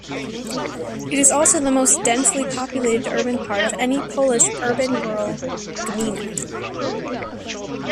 It is also the most densely populated urban part of any Polish urban-rural "gmina".